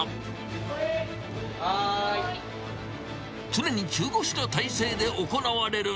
常に中腰の体勢で行われる。